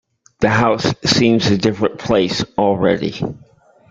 The house seems a different place already.